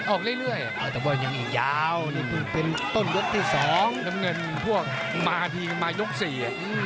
ออกเรื่อยยาวเป็นต้นยกที่สองน้ำเงินพวกมาทีมายกสี่